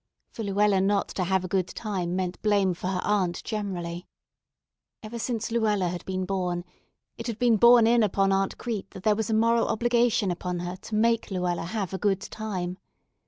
For Luella not to have a good time meant blame for her aunt generally. Ever since Luella had been born it had been borne in upon Aunt Crete that there was a moral obligation upon her to make Luella have a good time.